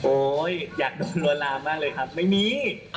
โอ้ยอยากลวนลามมากเลยครับไม่มี